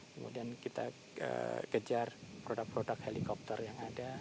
kemudian kita kejar produk produk helikopter yang ada